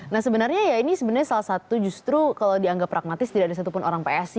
nah sebenarnya ya ini sebenarnya salah satu justru kalau dianggap pragmatis tidak ada satupun orang psi